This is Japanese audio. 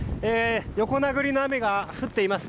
横殴りの雨が降っています。